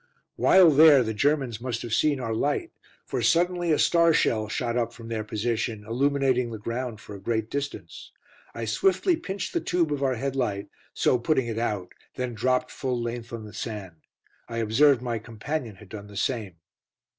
While there the Germans must have seen our light, for suddenly a star shell shot up from their position, illuminating the ground for a great distance. I swiftly pinched the tube of our headlight, so putting it out, then dropped full length on the sand. I observed my companion had done the same.